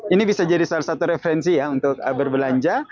ini bisa jadi salah satu referensi ya untuk berbelanja